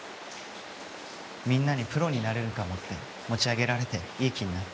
みんなにプロになれるかもって持ち上げられていい気になって。